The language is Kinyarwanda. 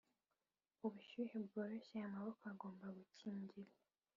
ubushyuhe bworoshye amaboko agomba gukingira,